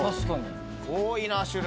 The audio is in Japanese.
多いな種類。